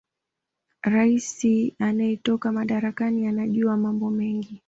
raisi anayetoka madarakani anajua mambo mengi